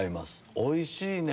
おいしいね！